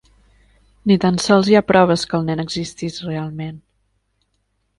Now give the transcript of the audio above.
Ni tan sols hi ha proves que el nen existís realment.